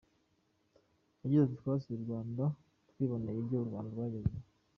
Yagize ati “ Twasuye u Rwanda, twiboneye ibyo u Rwanda rwagezeho.